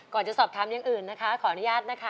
จะสอบถามอย่างอื่นนะคะขออนุญาตนะคะ